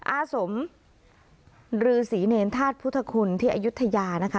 อาสมรือศรีเนรทาสพุทธคุณที่อยุธยานะคะ